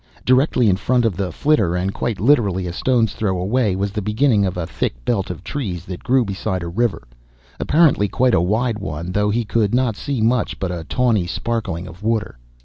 Directly in front of the flitter and quite literally a stone's throw away was the beginning of a thick belt of trees that grew beside a river, apparently quite a wide one though he could not see much but a tawny sparkling of water.